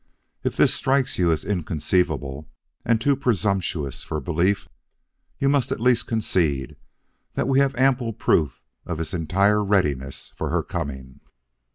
If this strikes you as inconceivable and too presumptuous for belief, you must at least concede that we have ample proof of his entire readiness for her coming.